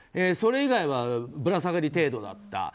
それ以外はぶら下がり程度だった。